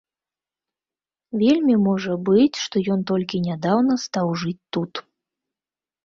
Вельмі можа быць, што ён толькі нядаўна стаў жыць тут.